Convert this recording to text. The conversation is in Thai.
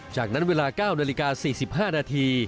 จากนั้นเวลา๙นาฬิกา๔๕นาที